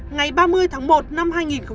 ngày ba mươi tháng một năm hai nghìn một mươi bảy